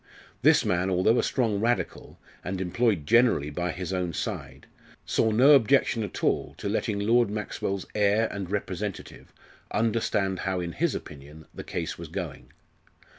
This man, although a strong Radical, and employed generally by his own side, saw no objection at all to letting Lord Maxwell's heir and representative understand how in his opinion the case was going.